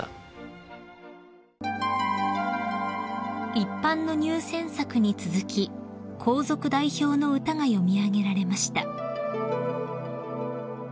［一般の入選作に続き皇族代表の歌が詠み上げられました］